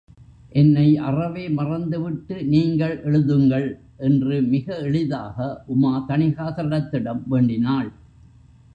என்னை அறவே மறந்துவிட்டு நீங்கள் எழுதுங்கள்! என்று மிக எளிதாக உமா தணிகாசலத்திடம் வேண்டினாள்.